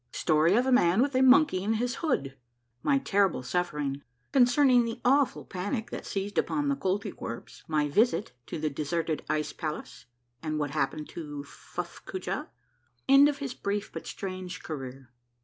— STORY OF A MAN WITH A MONKEY IN HIS HOOD. — MY TERRIBLE SUFFERING. — CONCERNING THE AWFUL PANIC THAT SEIZED UPON THE KOLTYKWERPS. — MY VISIT TO THE DESERTED ICE PALACE, AND WHAT HAPPENED TO FUFF COOJAH. — END OF HIS BRIEF BUT STRANGE CAREER.